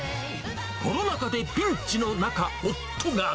コロナ禍でピンチの中、夫が。